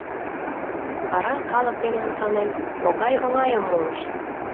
Вара, калык дене мутланен, могай оҥайым муыч?